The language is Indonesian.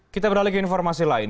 kita beralih ke informasi lain